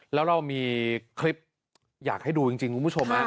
แล้วเรามีคลิปอยากให้ดูจริงคุณผู้ชม